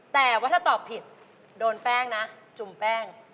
แต่ว่าถ้าตอบผิดโดนแป้งนะจุ่มแป้ง